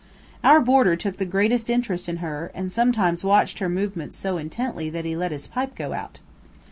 Our boarder took the greatest interest in her, and sometimes watched her movements so intently that he let his pipe go out.